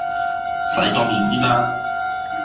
洗個面先啦